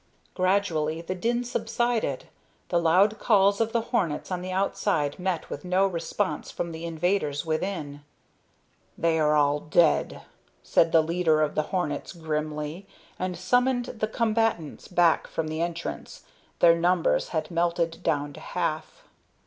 Gradually the din subsided. The loud calls of the hornets on the outside met with no response from the invaders within. "They are all dead," said the leader of the hornets grimly, and summoned the combatants back from the entrance. Their numbers had melted down to half.